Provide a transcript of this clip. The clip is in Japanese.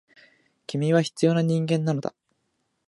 君は必要な人間なのだ。